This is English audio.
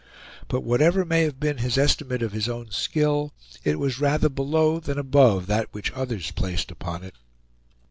But whatever may have been his estimate of his own skill, it was rather below than above that which others placed upon it.